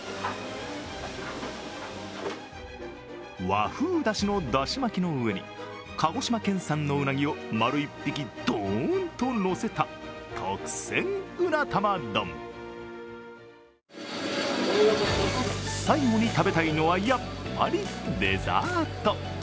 和風だしのだし巻きの上に鹿児島県産のうなぎを丸１匹ドーンと最後に食べたいのはやっぱりデザート。